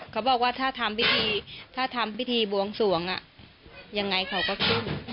เขาบอกว่าถ้าทำพิธีบวงสวงยังไงเขาก็ขึ้น